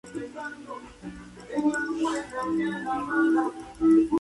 Los yihadistas planeaban esperar hasta que las tropas se quedaran sin comida y municiones.